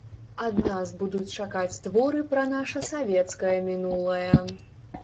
Ад нас будуць чакаць творы пра наша савецкае мінулае.